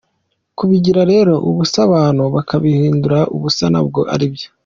Kubigira rero ubusa abantu bakabihindura ubusa ntabwo aribyo.